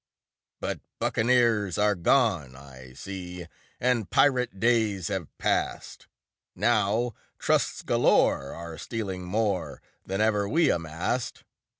But buccaneers are gone, I see, And pirate days have passed; Now trusts galore are stealing more Than ever we amassed.